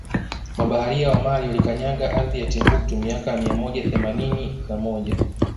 Mabaharia wa Mali walikanyaga ardhi ya Timbuktu miaka ya mia moja themanini na moja